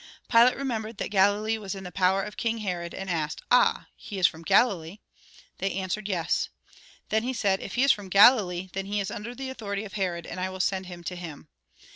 Pilate remembered that Galilee was in the power of King Herod, and aslced :" Ah ! he is from Galilee ?" They answered :" Yes." Then he said :" If he is from Galilee, then he is under the authority of Herod, and I will send him to him."